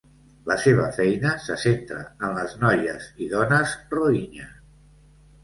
La seva feina se centra en les noies i dones rohingya.